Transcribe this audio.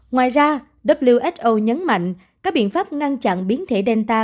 ngoài ra who nhấn mạnh các biện pháp ngăn chặn biến thể danta